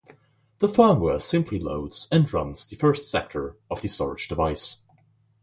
The firmware simply loads and runs the first sector of the storage device.